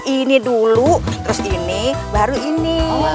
ini dulu terus ini baru ini